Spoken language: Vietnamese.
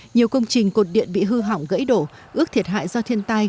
nhiều công trình cột điện bị hư hỏng gãy đổ ước thiệt hại do thiên tai gần một mươi ba tỷ đồng